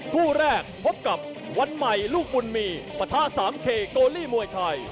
คู่แรกพบกับวันใหม่ลูกบุญมีปะทะสามเคโกลีมวยไทย